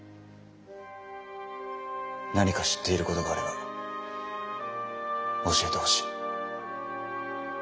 何か知っていることがあれば教えてほしい。